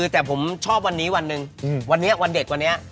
แต่ผมชอบวันนี้วันเด็กวันนี้